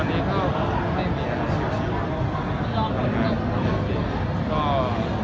ตอนนี้เข้าในเวียงชิว